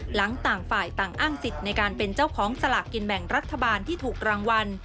ต่างฝ่ายต่างอ้างสิทธิ์ในการเป็นเจ้าของสลากกินแบ่งรัฐบาลที่ถูกรางวัล